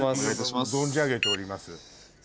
存じあげております。